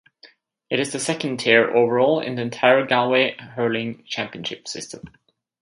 It is the second tier overall in the entire Galway hurling championship system.